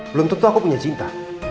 belum tentu aku punya cinta